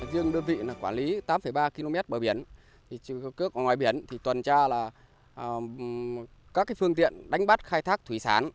riêng đơn vị quản lý tám ba km bờ biển trường cước ngoài biển tuần tra các phương tiện đánh bắt khai thác thủy sản